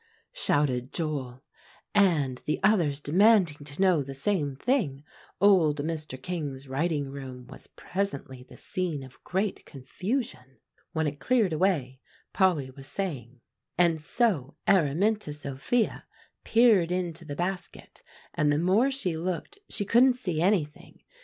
shouted Joel; and the others demanding to know the same thing, old Mr. King's writing room was presently the scene of great confusion. When it cleared away, Polly was saying, "And so Araminta Sophia peered into the basket; and the more she looked, she couldn't see anything.